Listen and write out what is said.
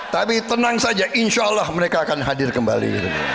tapi tenang saja insya allah mereka akan hadir kembali